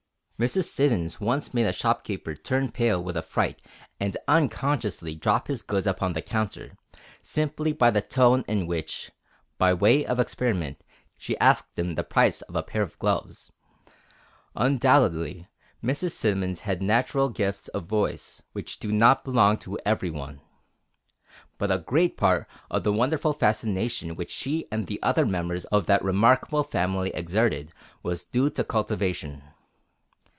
Mrs. Siddons once made a shopkeeper turn pale with affright and unconsciously drop his goods upon the counter, simply by the tone in which, by way of experiment, she asked him the price of a pair of gloves. Undoubtedly Mrs. Siddons had natural gifts of voice which do not belong to every one. But a great part of the wonderful fascination which she and the other members of that remarkable family exerted, was due to cultivation.